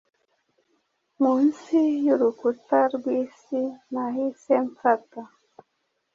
Munsi yurukuta rwisi Nahise mfata